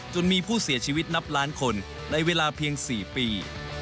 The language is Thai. มีผู้เสียชีวิตนับล้านคนในเวลาเพียง๔ปี